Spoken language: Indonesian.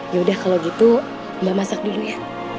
yaudah kalau gitu mbak masak dulu ya